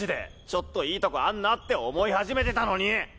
ちょっといいとこあンなって思い始めてたのに！